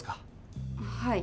はい。